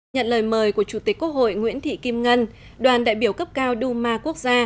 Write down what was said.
nhận lời mời của chủ tịch quốc hội nguyễn thị kim ngân đoàn đại biểu cấp cao duma quốc gia